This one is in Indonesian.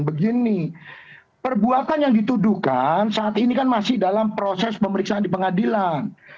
begini perbuatan yang dituduhkan saat ini kan masih dalam proses pemeriksaan di pengadilan